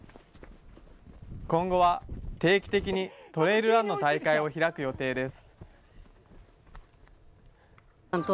今後は、定期的にトレイルランの大会を開く予定です。